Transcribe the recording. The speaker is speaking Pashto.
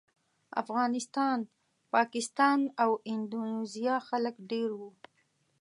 افغانستان، پاکستان او اندونیزیا خلک ډېر وو.